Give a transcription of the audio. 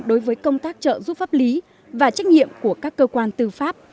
đối với công tác trợ giúp pháp lý và trách nhiệm của các cơ quan tư pháp